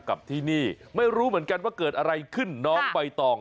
กับที่นี่ไม่รู้เหมือนกันว่าเกิดอะไรขึ้นน้องใบตอง